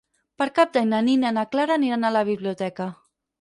Per Cap d'Any na Nina i na Clara aniran a la biblioteca.